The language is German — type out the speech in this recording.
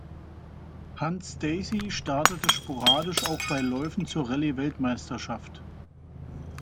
Hans Stacey startete sporadisch auch bei Läufen zur Rallye-Weltmeisterschaft.